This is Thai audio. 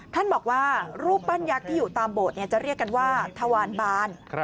ท่านบอกว่ารูปปั้นยักษ์ที่อยู่ตามโบสถ์จะเรียกกันว่าทวานบาน